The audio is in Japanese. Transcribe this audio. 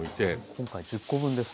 今回１０個分です。